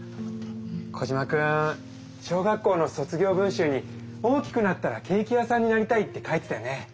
コジマくん小学校の卒業文集に「大きくなったらケーキ屋さんになりたい」って書いてたよね。